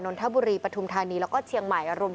นทบุรีปฐุมธานีแล้วก็เชียงใหม่อรุณ